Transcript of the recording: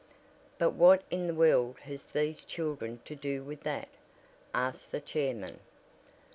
"But what in the world has these children to do with that?" asked the chairman.